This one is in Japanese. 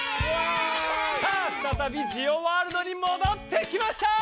さあふたたびジオワールドにもどってきました！